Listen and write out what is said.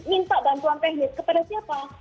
minta bantuan teknis kepada siapa